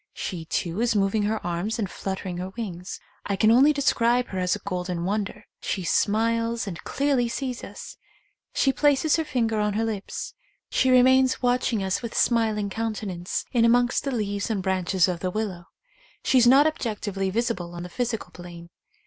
She, too, is moving her arms and fluttering her wings. I can only describe her as a golden wonder. She smiles and clearly sees us. She places her finger on her lips. She remains watching us with smiling counte 121 THE COMING OF THE FAIRIES nance in ain'""'^st the leaves and branches of the willow. She is not objectively visible on the physical plane.